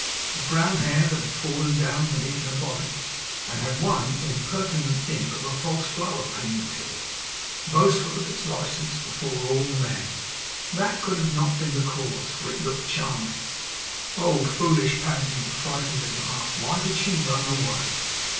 The brown hair that had fallen down beneath her bonnet, and had one impertinent imp of a false flower clinging to it, boastful of its licence before all men, THAT could not have been the cause, for it looked charming. Oh! foolish, panting, frightened little heart, why did she run away!